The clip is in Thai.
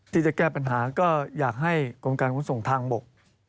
ที่จะแก้ปัญหาก็อยากให้กรมการขนส่งทางบก